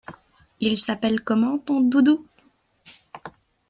Il s'appelle comment ton doudou?